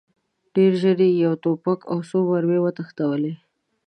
ډېر ژر یې یو توپک او څو مرمۍ وتښتولې.